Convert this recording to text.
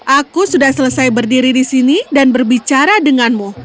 aku sudah selesai berdiri di sini dan berbicara denganmu